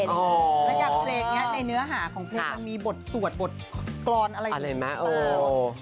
ระดับเพลงนี้ในเนื้อหาของเพลงมันมีบทสวดบทกรอนอะไรอย่างนี้